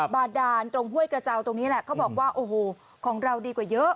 บาดานตรงห้วยกระเจ้าตรงนี้แหละเขาบอกว่าโอ้โหของเราดีกว่าเยอะ